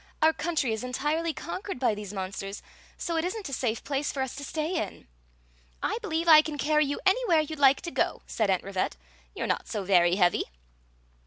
Our country is en tirely conquered by diese numsters; so it is n't a safe place for us to stay in." " I believe I can carry you anywhere you 'd like to go," said Aunt Rivette. " You 're not so very heavy."